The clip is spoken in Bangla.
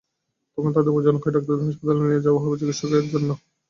তখন তাদের বোঝানো হয়, ডাক্তারদের হাসপাতালে নিয়ে যাওয়া হবে চিকিৎসার কাজে।